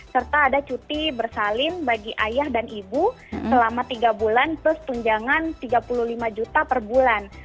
serta ada cuti bersalin bagi ayah dan ibu selama tiga bulan plus tunjangan tiga puluh lima juta per bulan